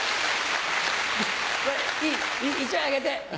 １枚あげて。